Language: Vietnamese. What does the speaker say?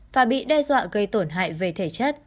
và bị đe dọa gây tổn hại về thể chất